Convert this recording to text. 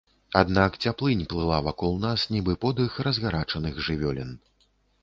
Аднак цяплынь плыла вакол нас, нібы подых разгарачаных жывёлін.